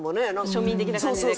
庶民的な感じでこう。